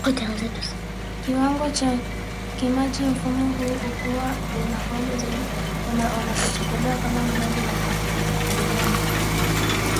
kiwango cha kijamii Mfumo huu huwa unafaulu zaidi unapotekelezwa kama mradi wa kukabiliana